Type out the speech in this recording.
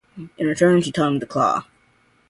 In return, she taught him the 'Claw'.